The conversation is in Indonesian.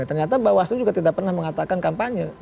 ternyata mbak waslu juga tidak pernah mengatakan kampanye